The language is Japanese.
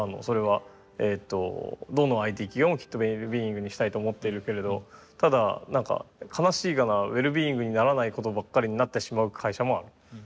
それはどのＩＴ企業もきっとウェルビーイングにしたいと思っているけれどただ悲しいかなウェルビーイングにならないことばっかりになってしまう会社もある。